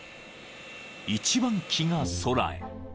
一番機が空へ］